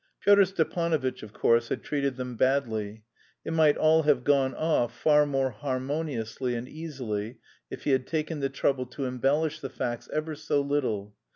Pyotr Stepanovitch, of course, had treated them badly; it might all have gone off far more harmoniously and easily if he had taken the trouble to embellish the facts ever so little.